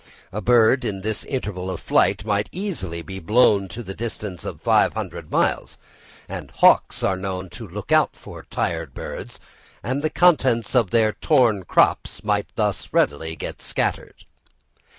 A bird in this interval might easily be blown to the distance of five hundred miles, and hawks are known to look out for tired birds, and the contents of their torn crops might thus readily get scattered.